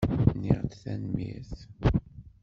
Nniɣ-d tanemmirt.